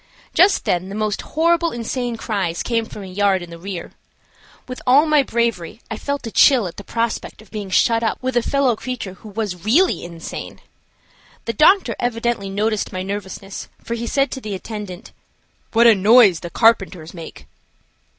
Just then the most horrible insane cries came from a yard in the rear. With all my bravery I felt a chill at the prospect of being shut up with a fellow creature who was really insane. The doctor evidently noticed my nervousness, for he said to the attendant; "What a noise the carpenters make."